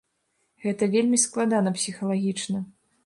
Гэта вельмі складана псіхалагічна.